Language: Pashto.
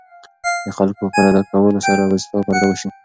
د خلکو په پرده کولو سره به ستا پرده وشي.